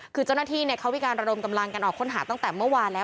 คือเจ้าหน้าที่เขามีการระดมกำลังกันออกค้นหาตั้งแต่เมื่อวานแล้ว